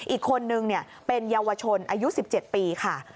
อีกคนนึงเป็นเยาวชนอายุ๑๗ปีค่ะ